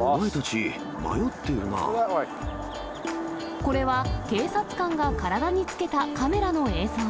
お前たち、これは、警察官が体につけたカメラの映像。